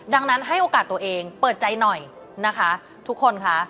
ดังนั้นให้โอกาสตัวเองเปิดใจหน่อยนะคะทุกคนค่ะ